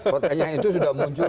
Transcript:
pertanyaan itu sudah muncul